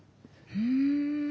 うん。